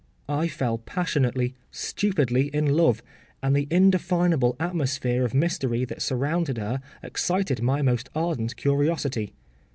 I fell passionately, stupidly in love, and the indefinable atmosphere of mystery that surrounded her excited my most ardent curiosity.